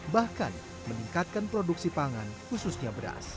bahkan meningkatkan produksi pangan khususnya beras